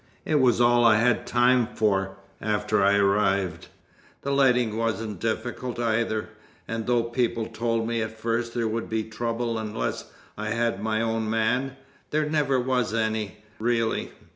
It was all I had time for, after I arrived. The lighting wasn't difficult either, and though people told me at first there would be trouble unless I had my own man, there never was any, really.